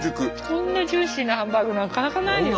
こんなジューシーなハンバーグなかなかないよ？